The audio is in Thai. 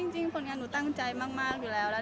จริงผลงานหนูตั้งใจมากอยู่แล้ว